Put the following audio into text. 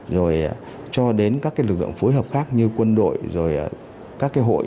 rồi cho đến các lực lượng phối hợp khác như quân đội rồi các hỗ trợ